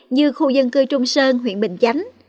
như khu dân cư trung sơn huyện bình chánh